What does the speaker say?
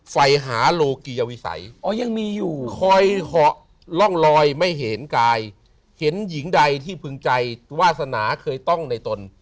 ไปหาโลกียวิสัยอ๋อยังมีอยู่คอยเหาะร่องลอยไม่เห็นกายเห็นหญิงใดที่พึงใจวาสนาเคยต้องในตน